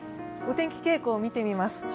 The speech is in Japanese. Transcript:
お天気傾向を見てみます。